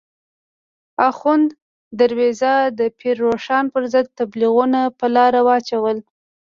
اخوند درویزه د پیر روښان پر ضد تبلیغونه په لاره واچول.